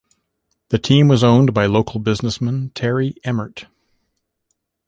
The team was owned by local businessman Terry Emmert.